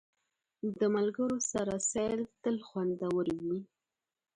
د ملګرو سره سیل تل خوندور وي.